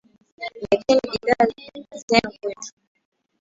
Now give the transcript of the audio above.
Leteni bidhaa zenu kwetu.